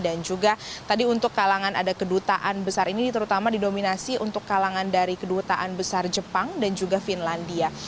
dan juga tadi untuk kalangan ada kedutaan besar ini terutama didominasi untuk kalangan dari kedutaan besar jepang dan juga finlandia